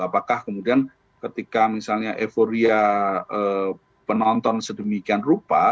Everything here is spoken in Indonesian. apakah kemudian ketika misalnya euforia penonton sedemikian rupa